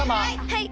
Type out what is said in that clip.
はい。